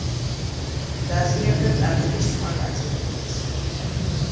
დაზიანდა ტაძრის სხვა ნაწილებიც.